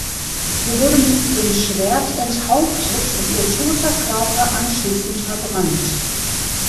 Sie wurde mit dem Schwert enthauptet und ihr toter Körper anschließend verbrannt.